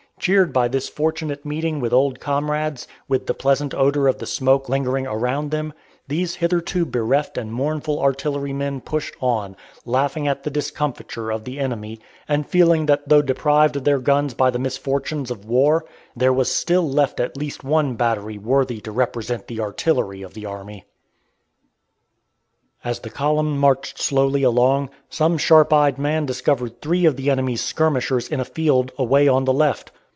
Cheered by this fortunate meeting with old comrades, with the pleasant odor of the smoke lingering around them, these hitherto bereft and mournful artillerymen pushed on, laughing at the discomfiture of the enemy, and feeling that though deprived of their guns by the misfortunes of war, there was still left at least one battery worthy to represent the artillery of the army. As the column marched slowly along, some sharp eyed man discovered three of the enemy's skirmishers in a field away on the left.